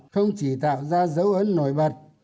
không chỉ tạo ra dấu ấn nổi bật